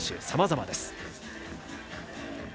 さまざまです。